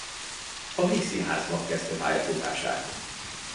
A Vígszínházban kezdte pályafutását.